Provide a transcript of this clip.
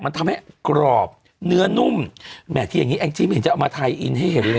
มันทำให้กรอบเนื้อนุ่มแหมที่อย่างนี้แองจี้ไม่เห็นจะเอามาทายอินให้เห็นเลย